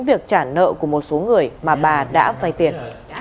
việc trả nợ của một số người mà bà đã vay tiền